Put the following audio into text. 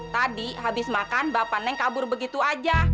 tadi habis makan bapak neng kabur begitu aja